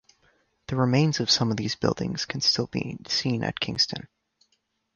The remains of some of these buildings can still be seen at Kingston.